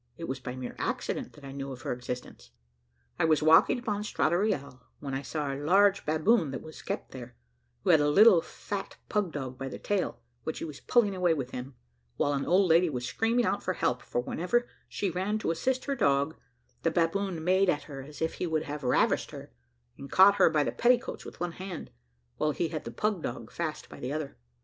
It was by mere accident that I knew of her existence. I was walking upon Strada Reale, when I saw a large baboon that was kept there, who had a little fat pug dog by the tail, which he was pulling away with him, while an old lady was screaming out for help or whenever she ran to assist her dog, the baboon made at her as if he would have ravished her, and caught her by the petticoats with one hand, while he had the pug dog fast by the other.